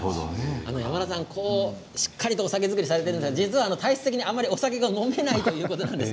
山田さん、しっかりとお酒造りされてるんですが実は体質的にあまりお酒が飲めないということです。